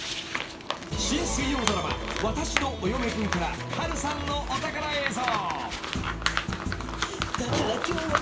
［新水曜ドラマ『わたしのお嫁くん』から波瑠さんのお宝映像］